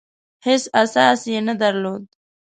هېڅ اساس یې نه درلود.